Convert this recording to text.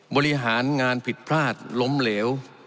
บริหารงานผิดพลาดล้มเหลว